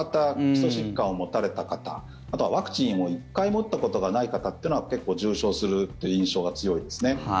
基礎疾患を持たれた方ワクチンを１回も打ったことがない方というのは結構、重症するという印象が強いですね。